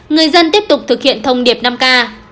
người dân tiếp tục thực hiện thông điệp năm k